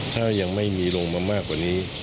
ถ้ายังไม่มีลงมามากกว่านี้